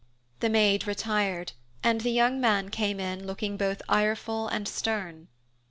The maid retired, and the young man came in looking both ireful and stern.